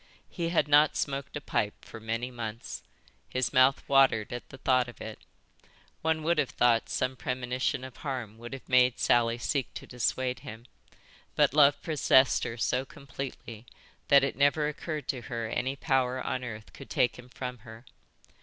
He had not smoked a pipe for many, months. His mouth watered at the thought of it. One would have thought some premonition of harm would have made Sally seek to dissuade him, but love possessed her so completely that it never occurred to her any power on earth could take him from her.